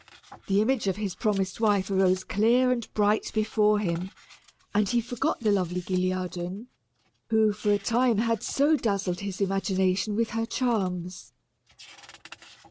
The image of his promised wife arose clear and bright before him, and he forgot the lovely Guilliadun, who, for a time, had so dazzled his imagination with her charms.